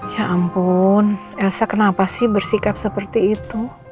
ya ampun elsa kenapa sih bersikap seperti itu